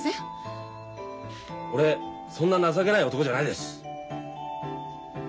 俺そんな情けない男じゃないです。